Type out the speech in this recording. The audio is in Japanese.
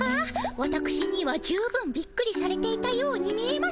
わたくしには十分びっくりされていたように見えましたが。